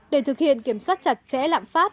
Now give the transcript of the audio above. để thực hiện kiểm soát chặt chẽ lạm phát